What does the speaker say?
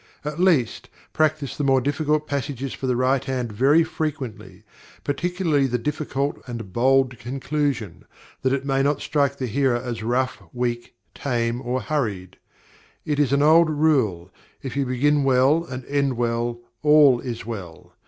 At least, practise the more difficult passages for the right hand very frequently, particularly the difficult and bold conclusion, that it may not strike the hearer as rough, weak, tame, or hurried. It is an old rule, "If you begin well and end well, all is well."